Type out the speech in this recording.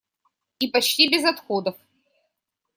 И почти без отходов.